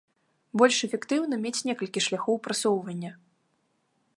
Больш эфектыўна мець некалькі шляхоў прасоўвання.